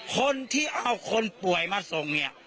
คนที่เอาคนป่วยมาส่งเนี่ย